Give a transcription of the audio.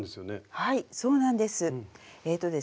はいそうなんです。